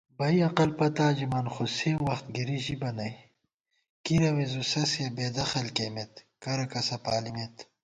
بئ عقل پتا ژِمان خوسےوخت گِری ژِبہ نئ * کی روے زُو سَیہ بېدخل کېمېت کرہ کسہ پالِمېت